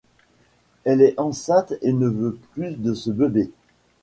Elle est enceinte et ne veut plus de ce bébé.